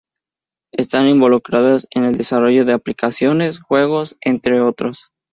Están involucradas en el desarrollo de aplicaciones, juegos entre otros.